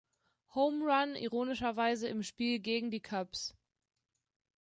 Home Run ironischerweise im Spiel gegen die Cubs.